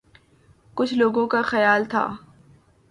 کچھ لوگوں کا خیال تھا